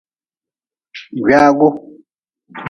Gwaagu.